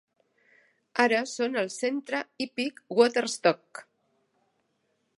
Ara són el Centre Hípic Waterstock.